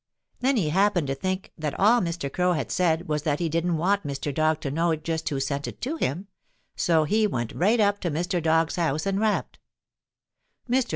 Then he happened to think that all Mr. Crow had said was that he didn't want Mr. Dog to know just who sent it to him, so he went right up to Mr. Dog's house and rapped. Mr.